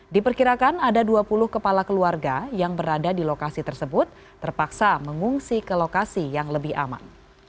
diperkirakan ada dua puluh kepala keluarga yang berada di lokasi tersebut terpaksa mengungsi ke lokasi yang lebih aman